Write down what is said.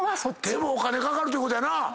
でもお金かかるってことやな。